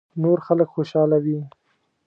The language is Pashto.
نور خلک خوشاله وي .